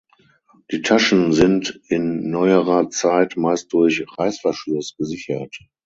Die Taschen sind in neuerer Zeit meist durch Reißverschluss gesichert.